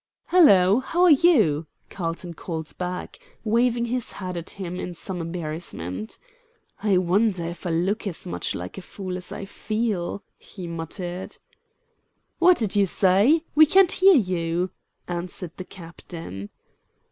"Hello! how are you?" Carlton called back, waving his hat at him in some embarrassment. "I wonder if I look as much like a fool as I feel?" he muttered. "What did you say? We can't hear you," answered the captain.